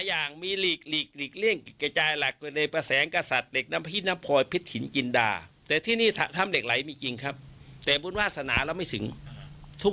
อ้าวแล้วอย่างที่เห็นคือเหล็กไหลจริงแล้วมันมีหลายประเภทหรือไง